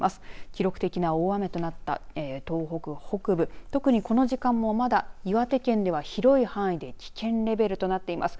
記録的な大雨となった東北北部、特に、この時間もまだ岩手県では広い範囲で危険レベルとなっています。